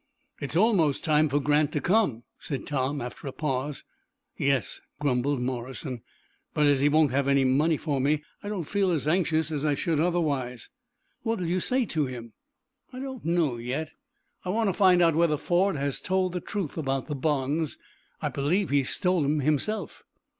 "It's almost time for Grant to come," said Tom, after a pause. "Yes," grumbled Morrison, "but as he won't have any money for me, I don't feel as anxious as I should otherwise." "What'll you say to him?" "I don't know yet. I want to find out whether Ford has told the truth about the bonds. I believe he stole 'em himself."